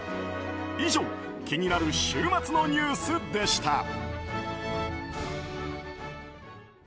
以上気になる週末のニュースでした。